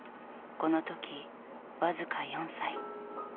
この時僅か４歳。